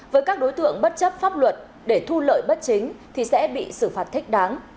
với các đối tượng bất chấp pháp luật để thu lợi bất chính thì sẽ bị xử phạt thích đáng